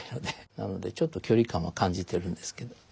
なのでちょっと距離感は感じてるんですけど。